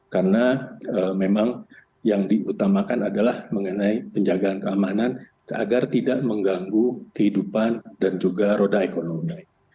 karena memang yang diutamakan adalah mengenai penjagaan keamanan agar tidak mengganggu kehidupan dan juga roda ekonomi